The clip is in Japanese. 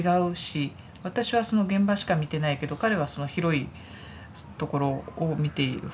私はその現場しか見てないけど彼はその広いところを見ている。